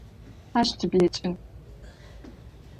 Ащ тыблэкӏын.